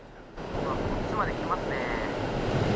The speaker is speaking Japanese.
こっちまで来ますね。